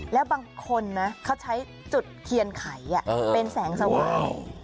แล้วบางคนนะเขาใช้จุดเทียนไขเป็นแสงสว่าง